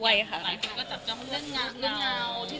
เหมาก็จับจ้องเรื่องเงางาน